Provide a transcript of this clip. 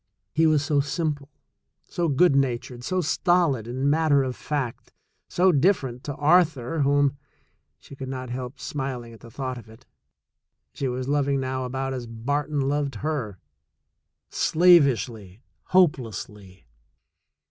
He was so simple, so good natured, so stolid and matter of fact, so different to Arthur whom (she could not help smiling at the thought of it) she was loving now about as Barton loved her — slavishly, hopelessly.